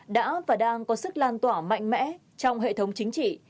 đã và đang có sức lan tỏa mạnh mẽ trong hệ thống chính trị